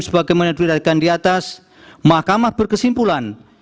sebagai menerbitkan di atas mahkamah berkesimpulan